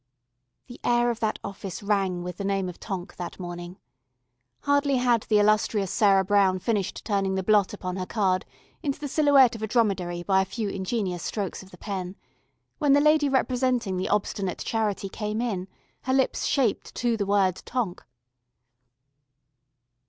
The air of that office rang with the name of Tonk that morning. Hardly had the industrious Sarah Brown finished turning the blot upon her card into the silhouette of a dromedary by a few ingenious strokes of the pen, when the lady representing the obstinate charity came in, her lips shaped to the word Tonk.